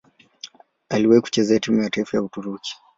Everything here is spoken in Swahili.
Aliwahi kucheza timu ya taifa ya Uturuki.